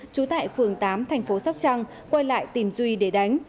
trú tại phường tám thành phố sóc trăng quay lại tìm duy để đánh